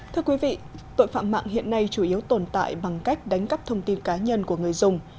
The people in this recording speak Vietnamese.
thưa quý vị tội phạm mạng hiện nay chủ yếu tồn tại bằng cách đánh cắp thông tin cá nhân của người dùng